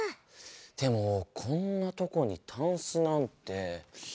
でもこんなとこにタンスなんて。